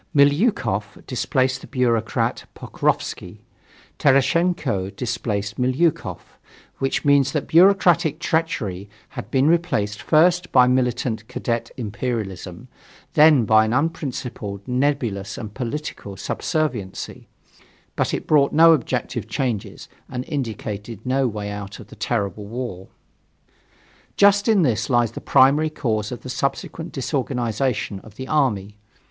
Milyukov displaced the bureaucrat Pokrovsky; Tereshtchenko displaced Milyukov which means that bureaucratic treachery had been replaced first by militant Cadet imperialism, then by an unprincipled, nebulous and political subserviency; but it brought no objective changes, and indicated no way out of the terrible war. Just in this lies the primary cause of the subsequent disorganization of the army.